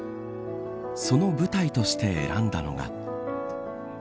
その舞台として選んだのが。